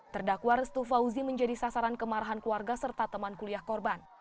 terdakwa restu fauzi menjadi sasaran kemarahan keluarga serta teman kuliah korban